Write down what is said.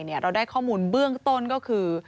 เราได้ข้อมูลเบื้องต้นก็คือ